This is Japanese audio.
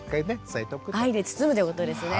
愛で包むってことですね。